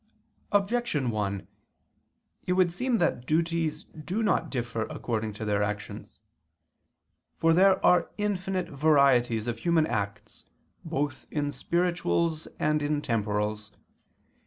Objection 1: It would seem that duties do not differ according to their actions. For there are infinite varieties of human acts both in spirituals and in temporals.